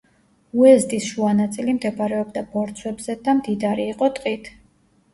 უეზდის შუა ნაწილი მდებარეობდა ბორცვებზე და მდიდარი იყო ტყით.